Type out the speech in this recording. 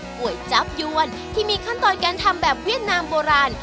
๋วยจับยวนที่มีขั้นตอนการทำแบบเวียดนามโบราณ